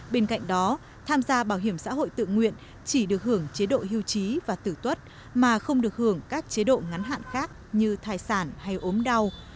bên cạnh đó tham gia bảo hiểm xã hội tự nguyện chỉ được hưởng chế độ hưu trí và tử tuất mà không được hưởng các chế độ ngắn hạn khác như thai sản hay ốm đau